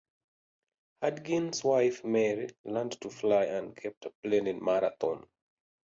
Hudgins' wife Mary learned to fly and kept a plane in Marathon.